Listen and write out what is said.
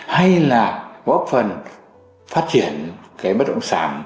hay là góp phần phát triển bất động sản